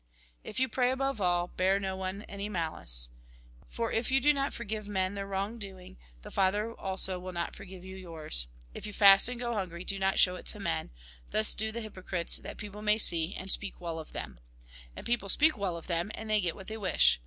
If you pray, above all, bear no one any malice. For if you do not forgive men their wrong doing, the Father also will not forgive you yours. If you fast, and go hungry, do not show it to Mt. Mk. xi. 25. 26. Mt. vi. 16. GOD'S KINGDOM 57 Mt. vi. 17, IS. 21, 26. 27. 28. men ; thus do the hypocrites, that people may see, and speak well of them. And people speak well of them, and they get what they wish.